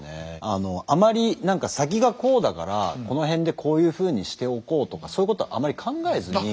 あのあまり「先がこうだからこの辺でこういうふうにしておこう」とかそういうことあまり考えずに。